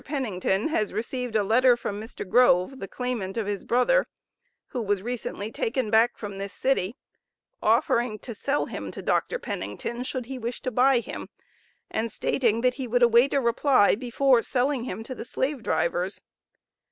Pennington has received a letter from Mr. Grove, the claimant of his brother, who was recently taken back from this city, offering to sell him to Dr. Pennington, should he wish to buy him, and stating, that he would await a reply, before "selling him to the slave drivers."